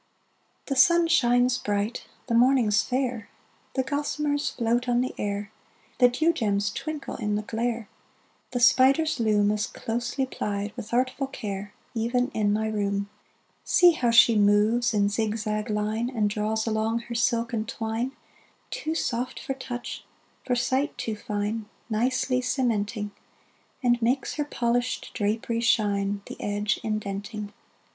The sun shines bright, the morning's fair, The gossamers {233b}float on the air, The dew gems twinkle in the glare, The spider's loom Is closely plied, with artful care, Even in my room. See how she moves in zigzag line, And draws along her silken twine, Too soft for touch, for sight too fine, Nicely cementing: And makes her polished drapery shine, The edge indenting.